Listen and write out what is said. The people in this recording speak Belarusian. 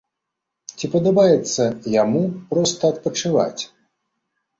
Ці падабаецца яму проста адпачываць?